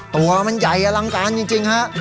ตัวมันใหญ่อลังการจริงฮะ